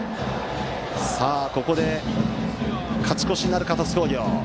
ここで勝ち越しになるか鳥栖工業。